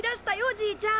じいちゃん。